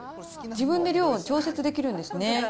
自分で量を調節できるんですね。